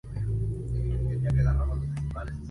De vuelta a Francia, inició su carrera política.